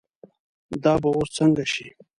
دا به اوس څنګه شي.